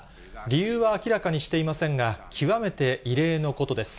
理由は明らかにしていませんが、極めて異例のことです。